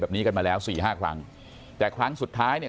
แบบนี้กันมาแล้ว๔๕ครั้งแต่ครั้งสุดท้ายเนี่ย